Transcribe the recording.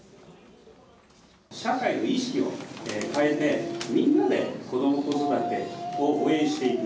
社会の意識を変えて、みんなで子ども・子育てを応援していく。